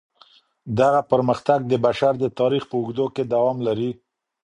دغه پرمختګ د بشر د تاريخ په اوږدو کي دوام لري.